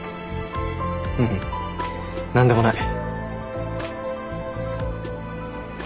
ううん何でもない。